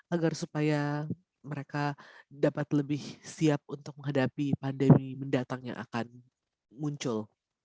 agar supaya mereka dapat lebih siap untuk menghadapi pandemi mendatang yang akan muncul